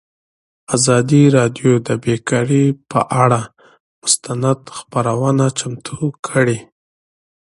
ازادي راډیو د بیکاري پر اړه مستند خپرونه چمتو کړې.